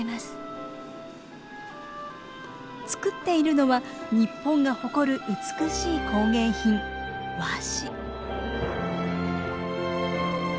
作っているのは日本が誇る美しい工芸品和紙。